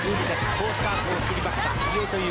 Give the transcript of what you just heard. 好スタートをきりました